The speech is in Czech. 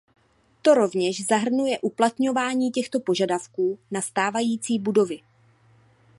To rovněž zahrnuje uplatňování těchto požadavků na stávající budovy.